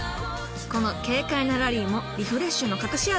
この軽快なラリーもリフレッシュの隠し味